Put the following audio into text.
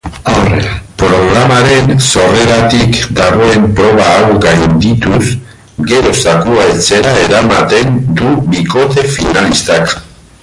Programaren sorreratik dagoen proba hau gaindituz gero zakua etxera eramaten du bikote finalistak.